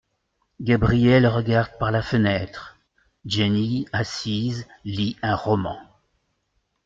Gabrielle regarde par la fenêtre ; Jenny assise, lit un roman.